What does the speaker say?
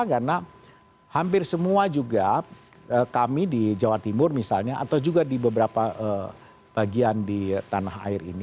karena hampir semua juga kami di jawa timur misalnya atau juga di beberapa bagian di tanah air ini